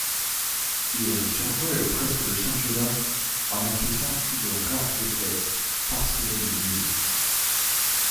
Ils survolent presque le championnat en n'encaissant que de rares défaites parsemés de nuls.